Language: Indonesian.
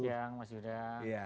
siang mas yuda